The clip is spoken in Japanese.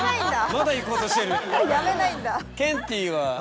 まだいこうとしてる。